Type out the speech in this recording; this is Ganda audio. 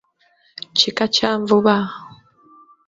Kika kya Nvuba.